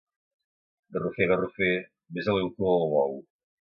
Garrofer, garrofer... besa-li el cul al bou.